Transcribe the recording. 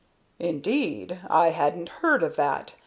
"Indeed! I hadn't heard of that.